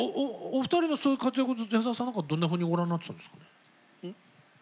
お二人のそういう活躍を矢沢さんなんかはどんなふうにご覧になっていたんですか？